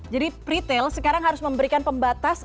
jadi retail sekarang harus memberikan pembatas